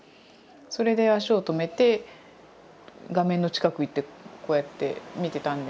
それで足を止めて画面の近く行ってこうやって見てたんですが。